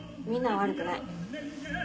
みんなは悪くない。